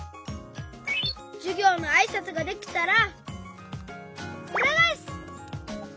じゅぎょうのあいさつができたらうらがえす！